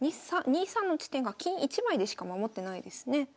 ２三の地点が金１枚でしか守ってないですね。